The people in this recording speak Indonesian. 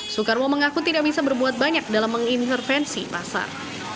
soekarwo mengaku tidak bisa berbuat banyak dalam mengintervensi pasar